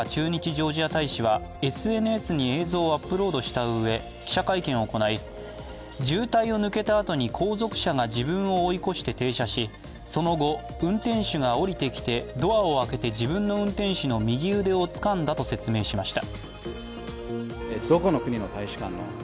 ジョージア大使はＳＮＳに映像をアップロードしたうえ、記者会見を行い、渋滞を抜けたあとに後続車が自分を追い越して停車し、その後、運転手が降りてきてドアを開けて自分の運転手の右腕をつかんだと説明しました。